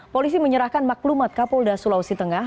polisi menyerahkan maklumat kapolda sulawesi tengah